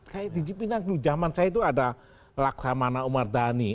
kayak di jepang jaman saya itu ada laksamana umar dhani